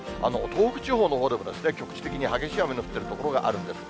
東北地方のほうでも、局地的に激しい雨の降っている所があるんです。